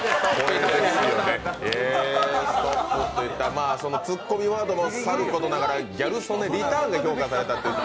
まあ、つっこみワードもさることながらギャル曽根リターンで評価されたと。